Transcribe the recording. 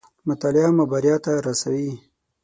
مطالعه مو بريا ته راسوي